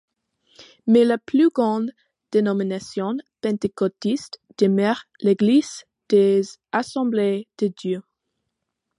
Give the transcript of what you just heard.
Mais la plus grande dénomination pentecôtiste demeure l'Église des Assemblées de Dieu.